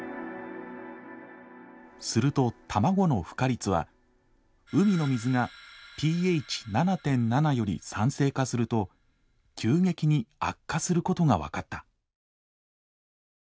すると卵のふ化率は海の水がｐＨ７．７より酸性化すると急激に悪化することが分かった。